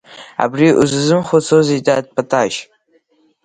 Абри узазымхәыцуазеи, дад Паташь?!